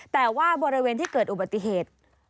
แต่ว่าบริเวณที่เกิดอุบัติเหตุ